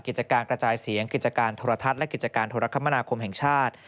กิจการกระจายเสียงกิจการโทรทัศน์และกิจการโทรคมนาคมแห่งชาติ